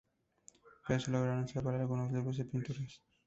Pero se lograron salvar algunos libros y pinturas.